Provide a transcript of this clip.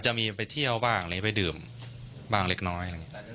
ก็จะมีไปเที่ยวบ้างไปดื่มบ้างเล็กน้อย